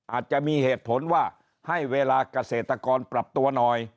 อาจจะมีเหตุผลว่าให้เวลาเกษตรกรปรับตัวหน่อย